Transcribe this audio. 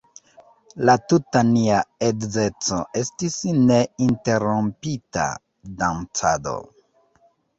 La tuta nia edzeco estis neinterrompita dancado.